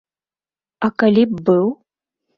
А калі б быў?